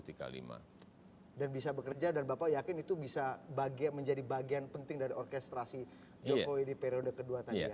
dan bisa bekerja dan bapak yakin itu bisa menjadi bagian penting dari orkestrasi jokowi di periode kedua tadi ya